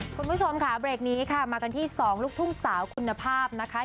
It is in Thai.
คุณผู้ชมค่ะเบรกนี้ค่ะมากันที่๒ลูกทุ่งสาวคุณภาพนะคะ